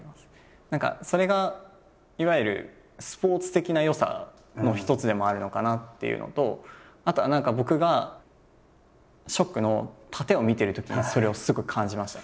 何かそれがいわゆるスポーツ的な良さの一つでもあるのかなっていうのとあとは何か僕が「ＳＨＯＣＫ」の殺陣を見てるときにそれをすごく感じました。